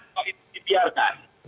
kalau itu dibiarkan